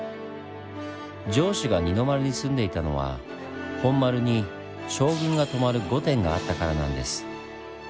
城主が二の丸に住んでいたのは本丸に将軍が泊まる御殿があったからなんです。